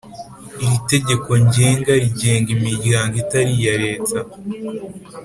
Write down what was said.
Iri tegeko ngenga rigenga imiryango itari iya Leta